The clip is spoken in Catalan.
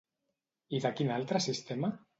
I de quin altre sistema?